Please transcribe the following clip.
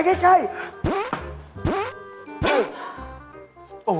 เข้าไปใกล้